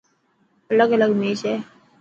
الگ الگ ميچ هي.